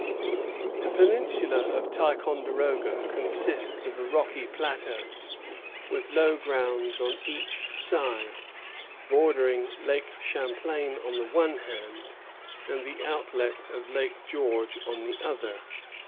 The peninsula of Ticonderoga consists of a rocky plateau, with low grounds on each side, bordering Lake Champlain on the one hand, and the outlet of Lake George on the other.